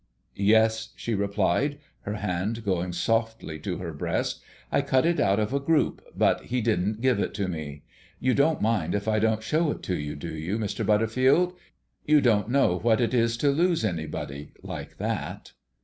"Yes," she replied, her hand going softly to her breast. "I cut it out of a group, but he didn't give it to me. You don't mind if I don't show it to you, do you, Mr. Butterfield? You don't know what it is to lose anybody like that."